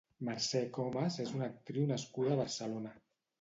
Mercè Comes és una actriu nascuda a Barcelona.